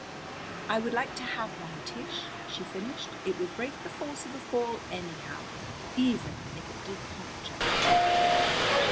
"I would like to have one, Tish," she finished. "It would break the force of a fall anyhow, even if it did puncture."